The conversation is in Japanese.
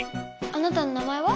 あなたの名前は？